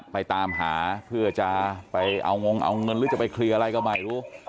ไปตามหาเพื่อจะไปเอางงเอาเงินหรือจะไปเคลียร์อะไรก็ไม่รู้